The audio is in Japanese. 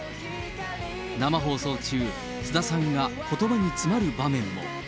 生放送中、菅田さんがことばに詰まる場面も。